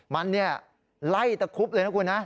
มันไล่ตะคุบเลยนะคุณนะ